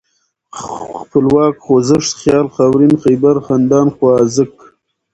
خپلواک ، خوځښت ، خيال ، خاورين ، خيبر ، خندان ، خوازک